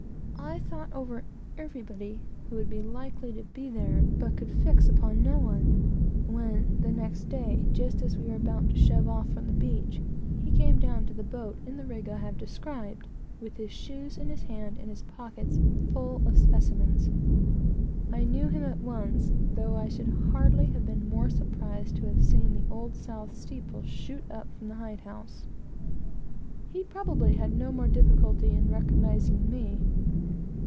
I thought over everybody who would be likely to be there, but could fix upon no one; when, the next day, just as we were about to shove off from the beach, he came down to the boat, in the rig I have described, with his shoes in his hand, and his pockets full of specimens. I knew him at once, though I should not have been more surprised to have seen the Old South steeple shoot up from the hide house. He probably had no less difficulty in recognizing me.